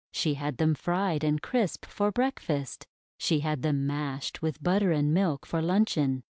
She had them fried and crisp for breakfast. She had them mashed with butter and milk for luncheon.